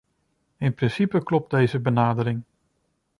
In principe klopt deze benadering.